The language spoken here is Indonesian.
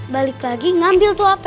balik lagi ngambil tuah hp